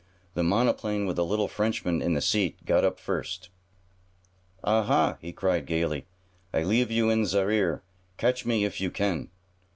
The monoplane with the little Frenchman in the seat got up first. "Ah, ha!" he cried gaily, "I leave you in ze rear! Catch me if you can!"